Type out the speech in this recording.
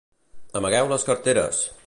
Amagueu les carteres!